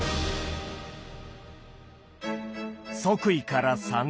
即位から３年。